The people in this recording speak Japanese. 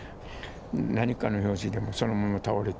何かの拍子でそのまま斃れて。